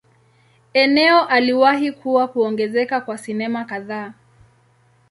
Eneo aliwahi kuwa kuongezeka kwa sinema kadhaa.